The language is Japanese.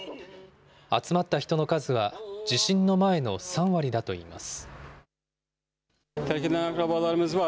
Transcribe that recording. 集まった人の数は、地震の前の３割だといいます。